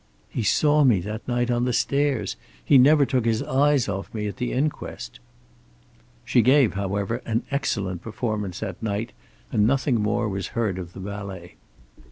"He saw me that night, on the stairs. He never took his eyes off me at the inquest." She gave, however, an excellent performance that night, and nothing more was heard of the valet.